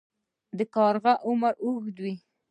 د کارغه عمر اوږد وي